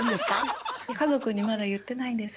家族にまだ言ってないんです。